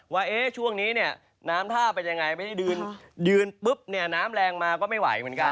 ว่าช่วงนี้น้ำท่าไปยังไงไปได้ดื่นดื่นปุ๊บน้ำแรงมาก็ไม่ไหวเหมือนกัน